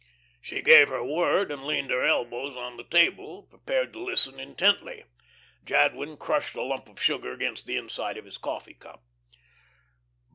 She gave her word, and leaned her elbows on the table, prepared to listen intently. Jadwin crushed a lump of sugar against the inside of his coffee cup.